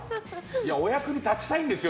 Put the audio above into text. お役に立ちたいんですよ